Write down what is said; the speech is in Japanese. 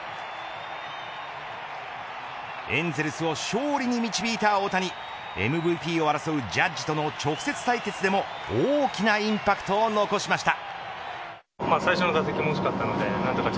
エンゼルスを勝利に導いた大谷ＭＶＰを争うジャッジとの直接対決でも、大きなインパクトを残しました。